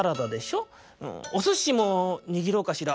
おすしもにぎろうかしら。